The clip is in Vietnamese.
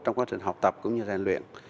trong quá trình học tập cũng như rèn luyện